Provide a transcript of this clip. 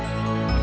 sekarang ibu masuk